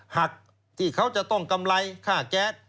หักที่เขาจะต้องกำไรค่าแก๊ส